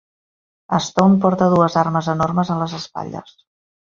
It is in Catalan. Stone porta dues armes enormes a les espatlles.